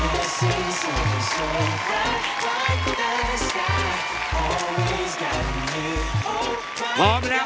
ยัขอยากมาถาม